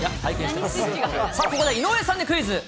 さあ、ここで井上さんにクイズ。